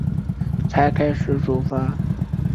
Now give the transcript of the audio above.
才开始煮饭